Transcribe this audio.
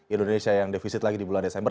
indonesia yang defisit lagi di bulan desember